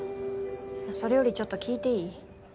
それよりちょっと聞いていい？